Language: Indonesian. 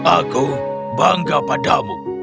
aku bangga padamu